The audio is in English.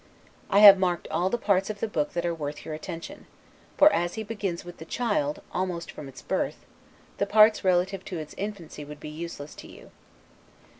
I have marked all the parts of that book that are worth your attention; for as he begins with the child, almost from its birth, the parts relative to its infancy would be useless to you.